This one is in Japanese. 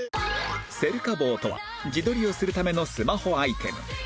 セルカ棒とは自撮りをするためのスマホアイテム